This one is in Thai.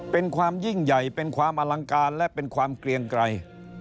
เป็นความยิ่งใหญ่เป็นความอลังการและเป็นความเกลียงไกร